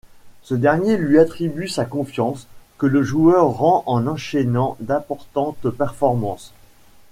Ce dernier lui attribue sa confiance, que le joueur rend en enchaînant d'importantes performances.